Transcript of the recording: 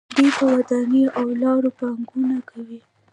دوی په ودانیو او لارو پانګونه کوي.